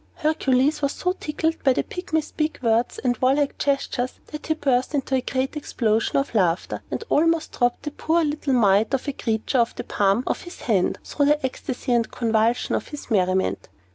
Hercules was so tickled with the Pygmy's big words and warlike gestures, that he burst into a great explosion of laughter, and almost dropped the poor little mite of a creature off the palm of his hand, through the ecstasy and convulsion of his merriment.